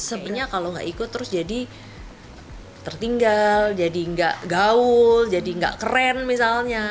sebenarnya kalau gak ikut terus jadi tertinggal jadi gak gaul jadi gak keren misalnya